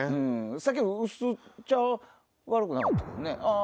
さっきの薄茶悪くなかったけどね。